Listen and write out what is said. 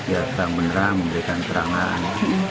ya terang menerang memberikan terangan